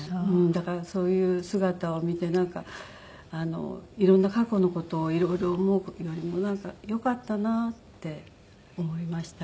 だからそういう姿を見てなんか色んな過去の事を色々思うよりもよかったなって思いました。